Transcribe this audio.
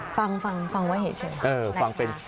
ฟังฟังฟังไว้เหตุเฉย